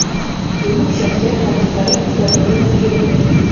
زموږ شخصيت له مختلفو ځانګړنو جوړ دی.